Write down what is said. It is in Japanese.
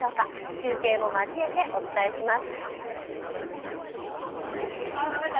中継も交えてお伝えします。